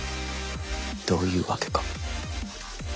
どういうわけか